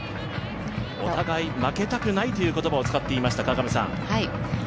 お互い負けたくないという言葉を使っていました。